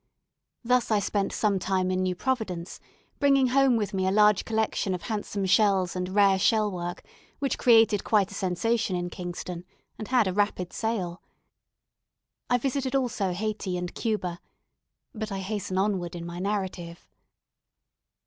Thus I spent some time in New Providence, bringing home with me a large collection of handsome shells and rare shell work, which created quite a sensation in Kingston, and had a rapid sale; I visited also Hayti and Cuba. But I hasten onward in my narrative.